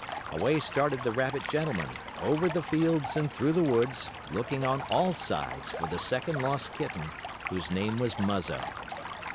Away started the rabbit gentleman, over the fields and through the woods, looking on all sides for the second lost kitten, whose name was Muzzo.